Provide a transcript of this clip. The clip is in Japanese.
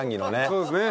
そうですね。